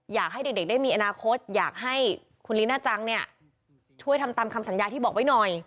อยากให้เด็กได้มีอนาคตอยากให้คุณลีน่าจังเนี่ยช่วยทำตามคำสัญญาที่บอกไว้หน่อย